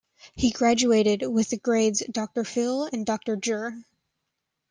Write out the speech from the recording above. He graduated with the grades Doctor phil and Doctor jur.